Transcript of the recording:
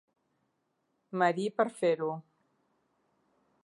Marie per fer-ho.